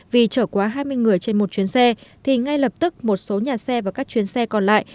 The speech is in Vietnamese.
vì chở quá hai mươi người trên một chuyến xe thì ngay lập tức một số nhà xe và các chuyến xe còn lại